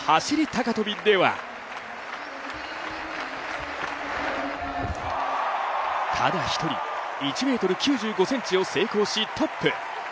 高跳ではただ１人、１ｍ９５ｃｍを成功しトップ。